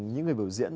những người biểu diễn